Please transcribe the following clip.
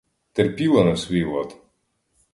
Терпіла на свій лад.